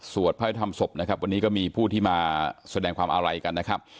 พระพิธรรมศพนะครับวันนี้ก็มีผู้ที่มาแสดงความอาลัยกันนะครับ